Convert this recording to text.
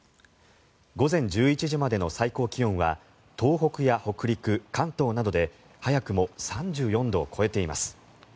午前１１時までの最高気温は東北や北陸、関東などで早くも３４度を超えています。